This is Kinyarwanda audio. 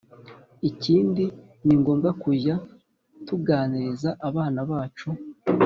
Ikindi ni ngombwa kujya tuganiriza abana bacu